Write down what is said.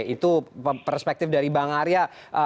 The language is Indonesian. itu perspektif dari bang arya